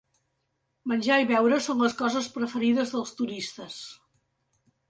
Menjar i beure són les coses preferides dels turistes.